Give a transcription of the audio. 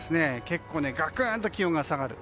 結構、がくんと気温が下がる。